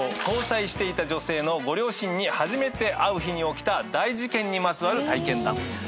交際していた女性のご両親に初めて会う日に起きた大事件にまつわる体験談。